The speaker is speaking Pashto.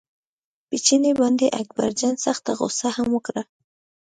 په چیني باندې اکبرجان سخته غوسه هم وکړه.